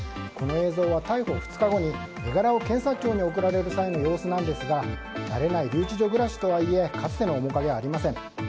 この映像は、逮捕２日後に身柄を検察庁に送られる際の様子なんですが慣れない留置場暮らしとはいえかつての面影はありません。